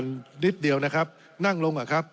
ผมกำลังแค่อ่านนิดเดียวนะครับนั่งลงก่อนครับ